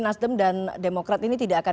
nasdem dan demokrat ini tidak akan